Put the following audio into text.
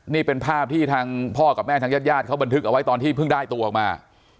นี่เป็นภาพที่ทางพ่อกับแม่ทางญาติญาติเขาบันทึกเอาไว้ตอนที่เพิ่งได้ตัวออกมา